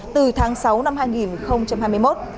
từ tháng sáu năm hai nghìn hai mươi một